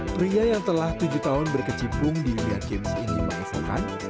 pria yang telah tujuh tahun berkecimpung di dunia games ini mengesahkan